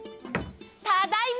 ただいま！